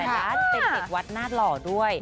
เป็นเด็กวัดหน้าหล่อด้วย